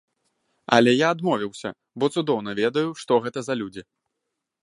Але я адмовіўся, бо цудоўна ведаю, што гэта за людзі.